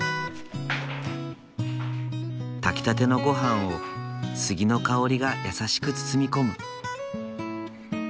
炊きたての御飯を杉の香りが優しく包み込む。